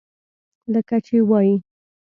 لکه چې وائي: